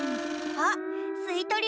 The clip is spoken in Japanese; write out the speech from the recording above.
あっすいとり